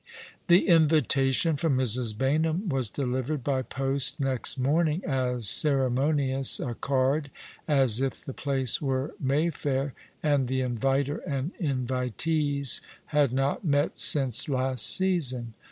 The invitation from Mrs. Baynham was delivered by post next morning, as ceremonious a card as if the place were Mayfair, and the inviter and invitees had not met since last season.